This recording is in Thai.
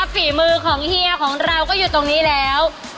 ฝีมือของเฮียของเราก็อยู่ตรงนี้แล้ว